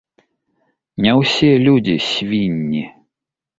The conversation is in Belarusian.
Не ўсе людзі свінні.